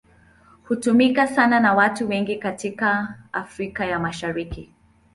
Hutumika sana na watu wengi katika Afrika ya Mashariki.